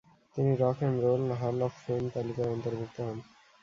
তিনি rock and roll hall of fame তালিকায় অন্তর্ভুক্ত হন।